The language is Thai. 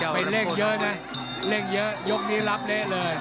ไปเร่งเยอะนะเร่งเยอะยกนี้รับเละเลย